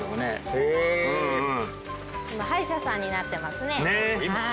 今歯医者さんになってますね。